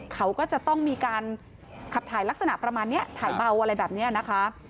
เขาก็จะต้องมีการขับถ่ายลักษณะประมาณนี้ถ่ายเบาอะไรแบบนี้นะคะ